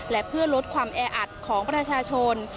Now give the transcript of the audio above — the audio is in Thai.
และเพื่อลดความแออัดของประชาชน